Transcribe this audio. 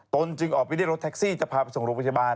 จึงออกไปที่รถแท็กซี่จะพาไปส่งโรงพยาบาล